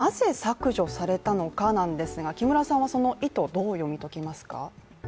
この文言、なぜ削除されたのかなんですけれども木村さんはその意図、どう読み解きますか？